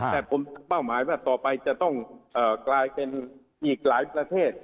แต่ผมเป้าหมายว่าต่อไปจะต้องกลายเป็นอีกหลายประเทศ